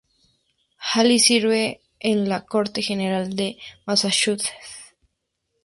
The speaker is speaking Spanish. Hale sirve en la Corte General de Massachusetts.